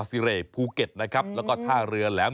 สวัสดีครับ